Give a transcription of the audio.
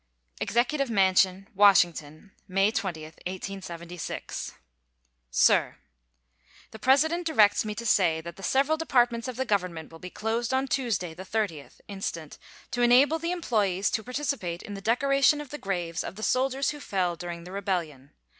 EXECUTIVE MANSION, Washington, May 20, 1876. SIR: The President directs me to say that the several Departments of the Government will be closed on Tuesday, the 30th instant, to enable the employees to participate in the decoration of the graves of the soldiers who fell during the rebellion.